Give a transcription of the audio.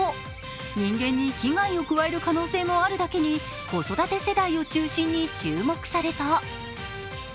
人間に危害を加える可能性もあるだけに、子育て世代を中心に注目された。